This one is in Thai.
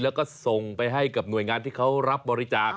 แล้วก็ส่งไปให้กับหน่วยงานที่เขารับบริจาค